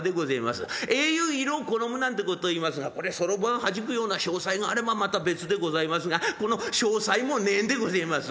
『英雄色を好む』なんてこと言いますがこれそろばんはじくような商才があればまた別でございますがこの商才もねえんでごぜえます。